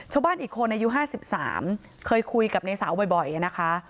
ชาวบ้านอีกคนอายุห้าสิบสามเคยคุยกับในเสาบ่อยบ่อยอะนะคะ